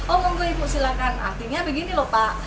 oh monggo ibu silakan artinya begini lho pak